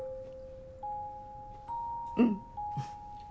うん。